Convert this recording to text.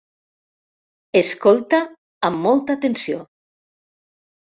Escolta amb molta atenció.